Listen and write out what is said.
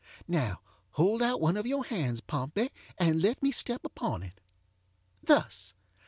Now, hold out one of your hands, Pompey, and let me step upon itŌĆöthus.